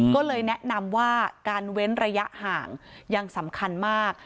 ก็เลยแนะนำว่าการเว้นระยะห่างยังสำคัญมาก